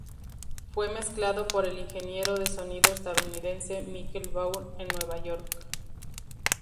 Fue mezclado por el ingeniero de sonido estadounidense Michael Brauer en Nueva York.